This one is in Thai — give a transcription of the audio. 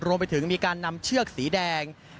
รวมไปถึงมีการนำเชือกสีแดง